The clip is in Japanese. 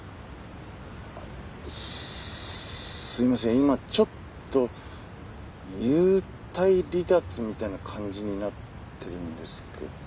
今ちょっと幽体離脱みたいな感じになってるんですけど。